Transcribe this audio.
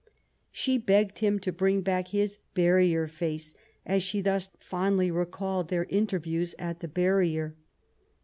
'' She begged him to bring back his ^^ barrier face/' as she thus fondly recalled their interviews at the barrier.